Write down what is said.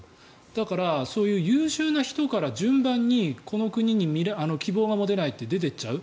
だからそういう優秀な人から順番にこの国に希望が持てないって出ていっちゃう。